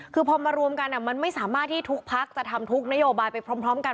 คือพอมารวมกันมันไม่สามารถที่ทุกพักจะทำทุกนโยบายไปพร้อมกัน